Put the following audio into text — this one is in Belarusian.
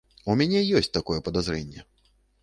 У мяне ёсць такое падазрэнне.